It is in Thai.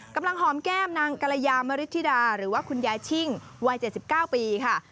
กำลังหอมแก้มนางกรยามริธิดาหรือว่าคุณยายชิ่งวัย๗๙ปีค่ะ